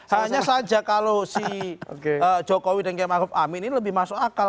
hanya saja kalau si jokowi dan km arief amin ini lebih masuk akal